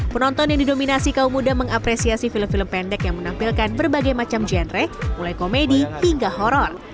penonton yang didominasi kaum muda mengapresiasi film film pendek yang menampilkan berbagai macam genre mulai komedi hingga horror